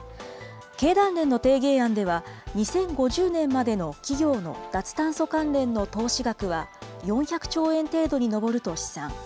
経団連の提言案では、２０５０年までの企業の脱炭素関連の投資額は、４００兆円程度に上ると試算。